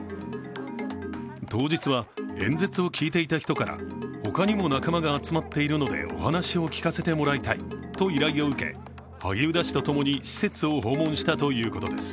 当日は演説を聞いていた人から他にも仲間が集まっているのでお話を聞かせてもらいたいと依頼を受け、萩生田氏と共に施設を訪問したということです。